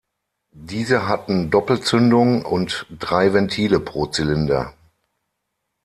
Diese hatten Doppelzündung und drei Ventile pro Zylinder.